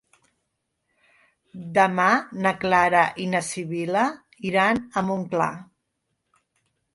Demà na Clara i na Sibil·la iran a Montclar.